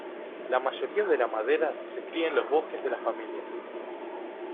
La mayoría de la madera se cria en los bosques de la familia.